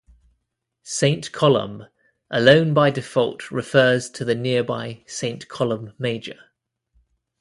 "Saint Columb" alone by default refers to the nearby Saint Columb Major.